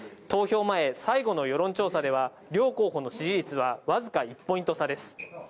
投票前最後の世論調査では、両候補の支持率はわずか１ポイント差です。